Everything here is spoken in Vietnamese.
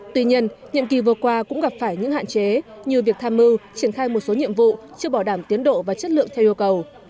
tuy nhiên nhiệm kỳ vừa qua cũng gặp phải những hạn chế như việc tham mưu triển khai một số nhiệm vụ chưa bỏ đảm tiến độ và chất lượng theo yêu cầu